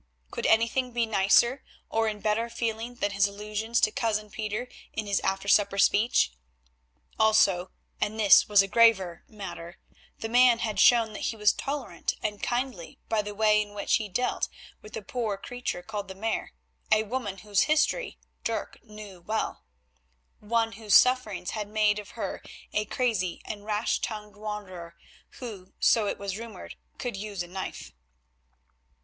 Could anything be nicer or in better feeling than his allusions to Cousin Pieter in his after supper speech? Also, and this was a graver matter, the man had shown that he was tolerant and kindly by the way in which he dealt with the poor creature called the Mare, a woman whose history Dirk knew well; one whose sufferings had made of her a crazy and rash tongued wanderer, who, so it was rumoured, could use a knife.